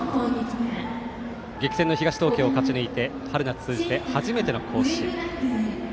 激戦の東東京を勝ち抜いて春夏通じて初めての甲子園。